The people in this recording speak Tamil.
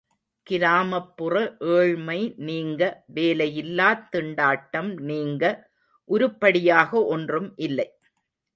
கிராமப்புற ஏழ்மை நீங்க, வேலையில்லாத் திண்டாட்டம் நீங்க உருப்படியாக ஒன்றும் இல்லை!